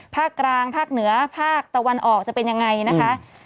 ภาคกลางภาคเหนือภาคตะวันออกจะเป็นยังไงนะคะ